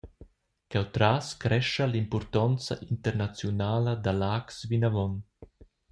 Cheutras crescha l’impurtonza internaziunala da Laax vinavon.